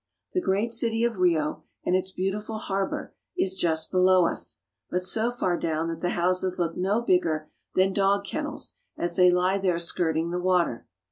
The great city of Rio and its beautiful harbor is just below us, but so far down that the houses look no bigger than dog kennels as they lie there skirting the water.